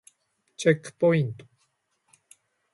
チェックポイント